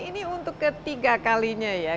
ini untuk ketiga kalinya ya